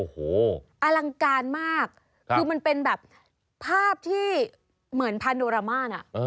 โอ้โหอลังการมากคือมันเป็นแบบภาพที่เหมือนพาโนรามาน